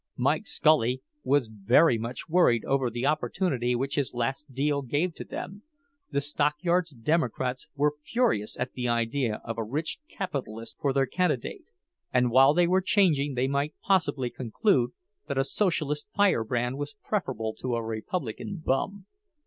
Mike Scully was very much worried over the opportunity which his last deal gave to them—the stockyards Democrats were furious at the idea of a rich capitalist for their candidate, and while they were changing they might possibly conclude that a Socialist firebrand was preferable to a Republican bum.